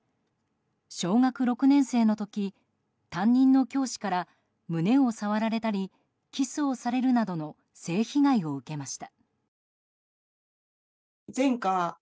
小学６年生の時、担任の教師から胸を触られたりキスをされるなどの性被害を受けました。